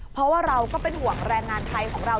เพราะว่าเราก็เป็นห่วงแรงงานไทยของเรา